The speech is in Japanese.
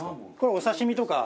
お刺身とか。